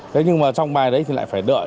thế nhưng mà trong bài đấy thì lại phải đợi